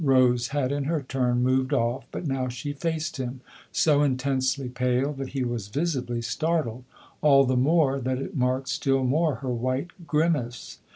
Rose had in her turn moved off, but now she faced him, so intensely pale that he was visibly startled ; all the more that it marked still more her white grimace.